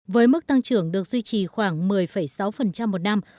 với mức tăng trưởng được duy trì khoảng một mươi sáu một năm